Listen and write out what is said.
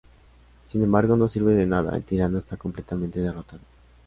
Sin embargo, no sirve de nada; el tirano está completamente derrotado.